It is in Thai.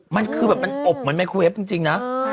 มันคือแบบมันอบเหมือนไมโครเวฟจริงนะ